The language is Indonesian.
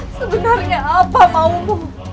sebenarnya apa maumu